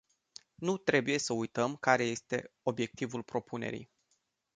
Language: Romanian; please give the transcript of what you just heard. Nu trebuie să uităm care este obiectivul propunerii.